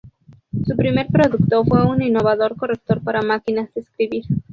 Su primer producto fue un innovador corrector para máquinas de escribir.